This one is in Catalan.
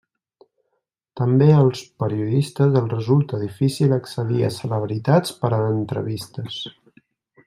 També als periodistes els resulta difícil accedir a celebritats per a entrevistes.